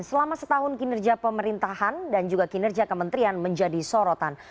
selama setahun kinerja pemerintahan dan juga kinerja kementerian menjadi sorotan